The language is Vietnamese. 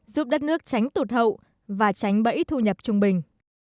giúp đất nước tránh tụt hậu và tránh bẫy thu nhập trung bình